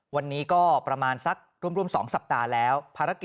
วันนี้ก็ประมาณสักรวมสองสัปดาห์แล้ว